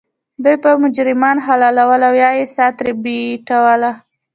دوی به مجرمان حلالول او یا یې سا ترې بیټوله.